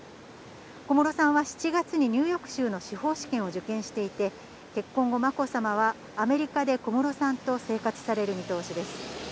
小室さんは７月に、ニューヨーク州の司法試験を受験していて、結婚後、まこさまは、アメリカで小室さんと生活される見通しです。